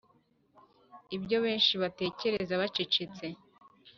ibyo benshi batekereza bacecetse,